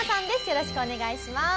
よろしくお願いします。